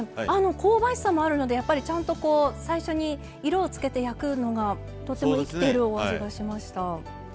こうばしさもあるのでちゃんと最初に色をつけて焼くのがとても生きているお味がしました。